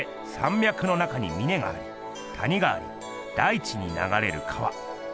みゃくの中にみねがあり谷があり大地にながれる川。